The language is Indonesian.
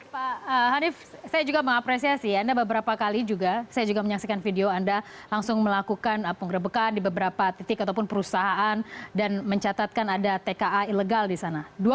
pak hanif saya juga mengapresiasi anda beberapa kali juga saya juga menyaksikan video anda langsung melakukan penggerebekan di beberapa titik ataupun perusahaan dan mencatatkan ada tka ilegal di sana